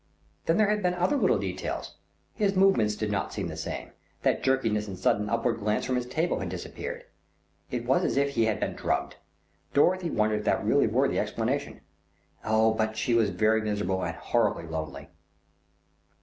Then there had been other little details. His movements did not seem the same, that jerkiness and sudden upward glance from his table had disappeared. It was as if he had been drugged. Dorothy wondered if that really were the explanation. Oh! but she was very miserable and horribly lonely.